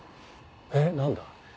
えっ何だ？